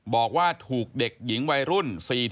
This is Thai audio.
บอกว่าถูกเด็กหญิงวัยรุ่น๔๐